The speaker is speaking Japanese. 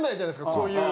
こういう。